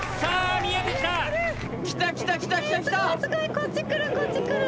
こっち来るこっち来る。